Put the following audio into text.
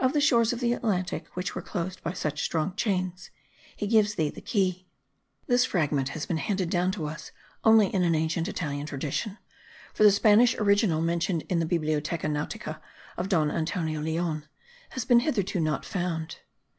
Of the shores of the Atlantic, which were closed by such strong chains, he gives thee the key.] This fragment has been handed down to us only in an ancient Italian tradition; for the Spanish original mentioned in the Biblioteca Nautica of Don Antonio Leon has not hitherto been found.